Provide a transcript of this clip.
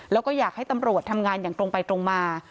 แล้วก็อยากให้ตำรวจทำงานอย่างตรงไปตรงมา